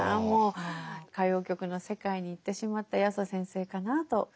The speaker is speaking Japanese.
もう歌謡曲の世界に行ってしまった八十先生かなと。